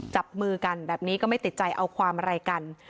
จับมือกันแบบนี้ก็ไม่ติดใจเอาความอะไรกัน